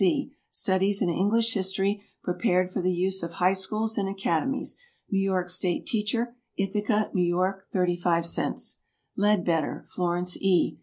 C. "Studies in English History Prepared for the Use of High Schools and Academies." New York State Teacher, Ithaca, N. Y. 35 cents. LEADBETTER, FLORENCE E.